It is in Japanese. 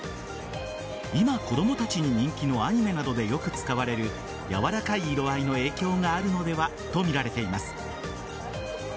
今、子供たちに人気のアニメなどでよく使われるやわらかい色合いの影響があるのではとみられています。